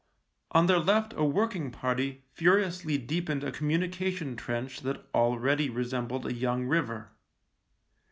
On their left a working party furiously deepened a communication trench that already resembled a young river.